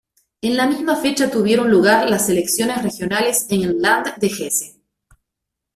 En la misma fecha tuvieron lugar las elecciones regionales en el "Land" de Hesse.